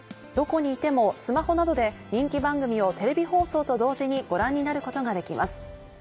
どこにいてもスマホなどで人気番組をテレビ放送と同時にご覧になることができます。